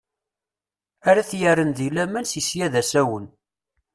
Ara t-yerren deg laman seg sya d asawen.